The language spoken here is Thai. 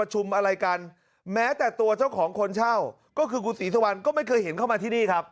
อะไรกันแม้แต่ตัวเจ้าของคนเช่าก็คือคุณศรีสุวรรณก็ไม่เคยเห็นเข้ามาที่นี่ครับ